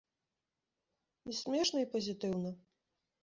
І смешна, і пазітыўна.